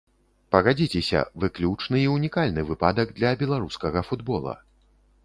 Пагадзіцеся, выключны і ўнікальны выпадак для беларускага футбола.